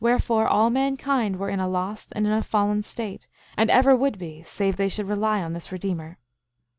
10:6 Wherefore, all mankind were in a lost and in a fallen state, and ever would be save they should rely on this Redeemer.